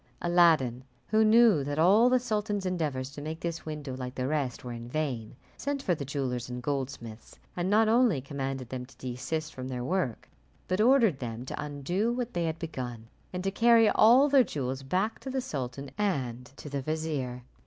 Aladdin, who knew that all the sultan's endeavours to make this window like the rest were in vain, sent for the jewellers and goldsmiths, and not only commanded them to desist from their work, but ordered them to undo what they had begun, and to carry all their jewels back to the sultan and to the vizier.